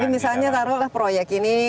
tapi misalnya taruh lah proyek ini